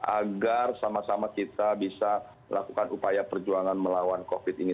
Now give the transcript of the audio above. agar sama sama kita bisa melakukan upaya perjuangan melawan covid ini